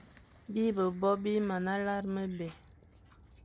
Bîe-be-bo bi mana lar mebé ;